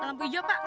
alam gue jauh pak